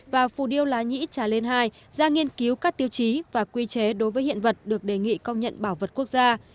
và phù điêu lá nhĩ trà lên hai ra nghiên cứu các tiêu chí và quy chế đối với hiện vật được đề nghị công nhận bảo vật quốc gia